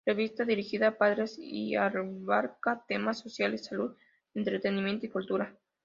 Revista dirigida a padres y abarca temas sociales, salud, entretenimiento y cultura.